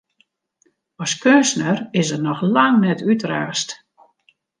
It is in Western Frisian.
As keunstner is er noch lang net útraasd.